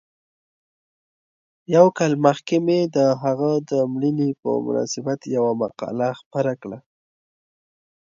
یو کال مخکې مې د هغه د مړینې په مناسبت یوه مقاله خپره کړه.